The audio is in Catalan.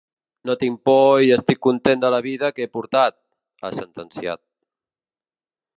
No tinc por i estic content de la vida que he portat, ha sentenciat.